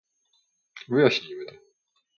Wyjaśnijmy to